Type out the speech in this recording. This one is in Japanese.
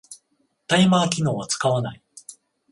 タイマー機能は使わない